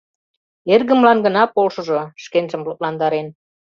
Эргымлан гына полшыжо», — шкенжым лыпландарен.